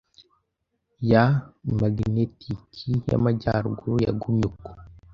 ya maginetiki y’amajyaruguru yagumye uko